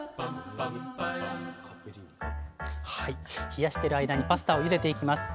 冷やしてる間にパスタをゆでていきます。